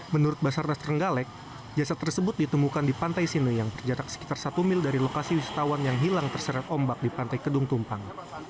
menurut basarnas trenggalek jasad tersebut ditemukan di pantai sine yang berjarak sekitar satu mil dari lokasi wisatawan yang hilang terseret ombak di pantai kedung tumpang